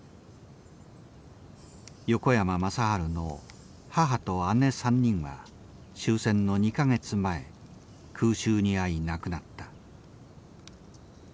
横山正治の母と姉３人は終戦の２か月前空襲に遭い亡くなった。